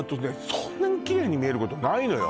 そんなにキレイに見えることないのよ